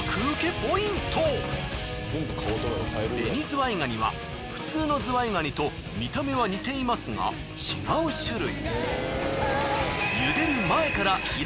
紅ズワイガニは普通のズワイガニと見た目は似ていますが違う種類。